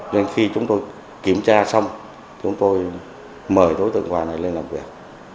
nên khi chúng tôi kiểm tra xong chúng tôi mời đối tượng hoài này lên làm việc